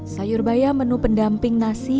sayur bayam menu pendamping nasi